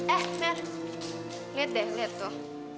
eh lihat deh lihat tuh